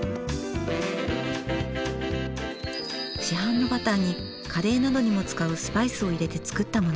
市販のバターにカレーなどにも使うスパイスを入れて作ったもの。